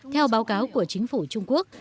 theo báo cáo của chính phủ trung quốc